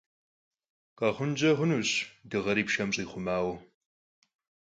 Khexhunç'e xhunuş dığeri pşşem ş'ixhumaue.